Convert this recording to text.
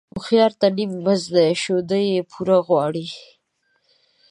هوښيار ته نيمه بس ده ، شوده يې پوره غواړي.